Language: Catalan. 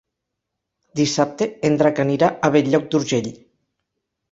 Dissabte en Drac anirà a Bell-lloc d'Urgell.